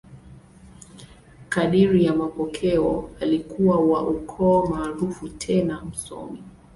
Kadiri ya mapokeo, alikuwa wa ukoo maarufu tena msomi.